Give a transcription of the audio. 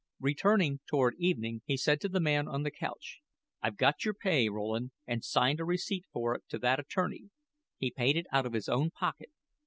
Returning toward evening, he said to the man on the couch: "I've got your pay, Rowland, and signed a receipt for it to that attorney. He paid it out of his own pocket.